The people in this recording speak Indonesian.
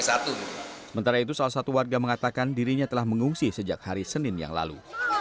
sementara itu salah satu warga mengatakan dirinya telah mengungsi sejak hari senin yang lalu